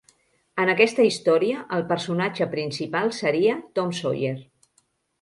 En aquesta història, el personatge principal seria Tom Sawyer.